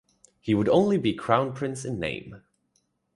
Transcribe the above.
He would only be Crown Prince in name.